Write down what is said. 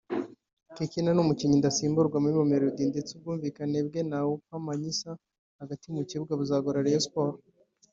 Kekana ni umukinnyi ndasimburwa muri Mamelodi ndetse ubwumvikane bwe na Oupa Manyisa hagati mu kibuga buzagora Rayon Sports